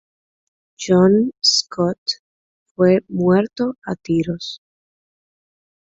John Scott fue muerto a tiros.